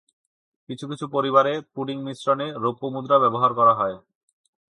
কিছু কিছু পরিবারে পুডিং মিশ্রণে রৌপ্য মুদ্রা যোগ করা হয়।